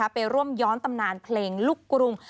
ไปร่วมย้อนตำนานเพลงลูกกรุง